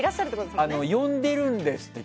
呼んでいるんですって。